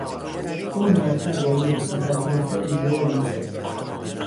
او مرتب راجع به سفرهای خود ور زد.